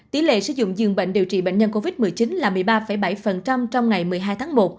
tỷ lệ sử dụng dường bệnh điều trị bệnh nhân covid một mươi chín là một mươi ba bảy trong ngày một mươi hai tháng một